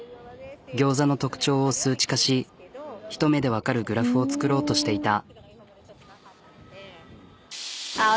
ギョーザの特徴を数値化し一目でわかるグラフを作ろうとしていた。